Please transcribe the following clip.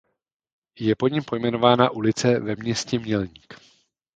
Je po něm pojmenována ulice ve městě Mělník.